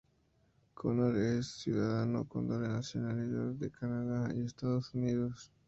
Connor es ciudadano con doble nacionalidad de Canadá y Estados Unidos.